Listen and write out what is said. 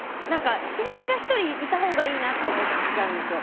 知り合いが１人いたほうがいいなと思っちゃうんですよ。